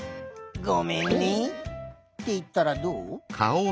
「ごめんね」っていったらどう？